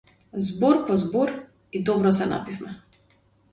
Збор по збор, и добро се напивме.